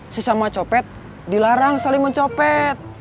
sesama copet dilarang saling mencopet